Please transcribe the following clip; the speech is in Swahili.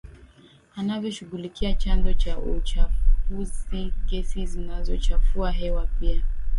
anavyoshughulikia chanzo cha uchafuziGesi zinazochafua hewa pia